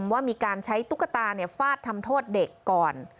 ว่ามีการใช้ตุ๊กตาฟาดทำโทษเด็กก่อน